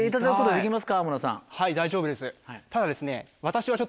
はい大丈夫です。